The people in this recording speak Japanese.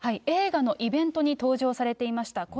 映画のイベントに登場されていました。